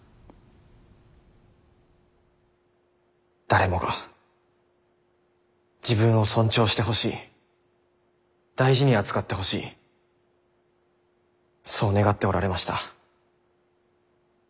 誰もが自分を尊重してほしい大事に扱ってほしいそう願っておられました。